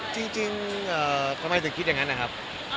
จริงที่คิดอย่างนั้นนะครับ